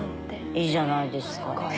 いいじゃないですか。